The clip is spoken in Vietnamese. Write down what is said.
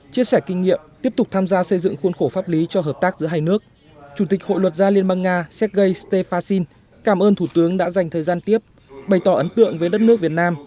chia sẻ kinh nghiệm tiếp tục tham gia xây dựng khuôn khổ pháp lý cho hợp tác giữa hai nước